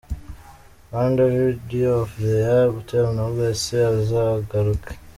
Rwanda Video of the Year Butera Knowless – Uzagaruke.